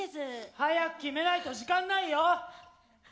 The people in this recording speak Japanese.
早く決めないと時間ないよ！